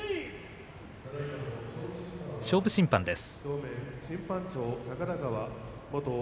勝負審判です。